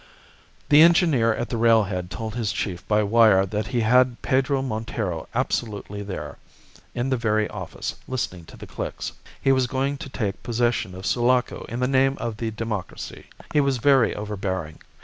The engineer at the railhead told his chief by wire that he had Pedro Montero absolutely there, in the very office, listening to the clicks. He was going to take possession of Sulaco in the name of the Democracy. He was very overbearing.